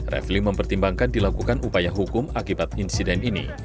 refli mempertimbangkan dilakukan upaya hukum akibat insiden ini